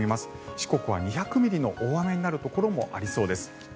四国は２００ミリの大雨になるところもありそうです。